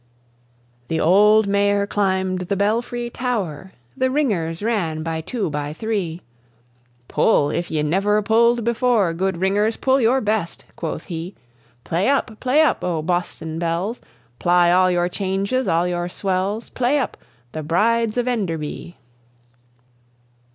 The old mayor climb'd the belfry tower, The ringers ran by two, by three; "Pull, if ye never pull'd before; Good ringers, pull your best," quoth he. "Play uppe, play uppe, O Boston bells! Ply all your changes, all your swells, Play uppe, 'The Brides of Enderby.'"